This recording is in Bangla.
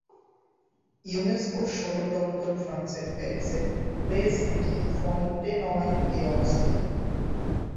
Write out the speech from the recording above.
ইউনেস্কোর সদর দপ্তর ফ্রান্সের প্যারিসের প্লেস ডি ফন্টেনয় এ অবস্থিত।